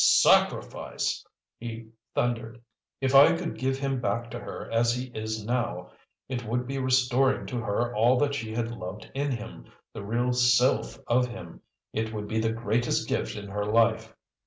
"Sacrificed!" he thundered. "If I could give him back to her as he is now, it would be restoring to her all that she had loved in him, the real SELF of him! It would be the greatest gift in her life."